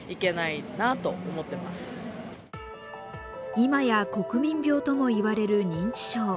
今や国民病とも言われる認知症。